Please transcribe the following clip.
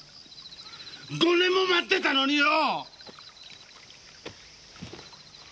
５年も待ってたのによ！